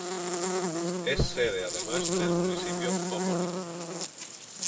Es sede además del municipio homónimo.